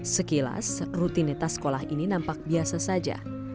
sekilas rutinitas sekolah ini nampak biasa saja